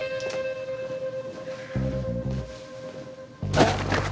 あっ！